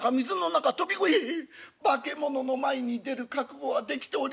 「ええ化け物の前に出る覚悟はできておりません」。